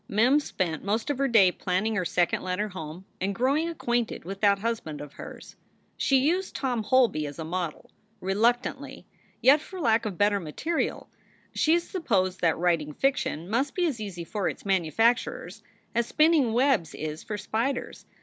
Mem spent most of her day planning her second letter home and growing acquainted with that husband of hers. She used Tom Holby as a model, reluctantly, yet for lack of better material. She had supposed that writing fiction must be as easy for its manufacturers as spinning webs is for spiders.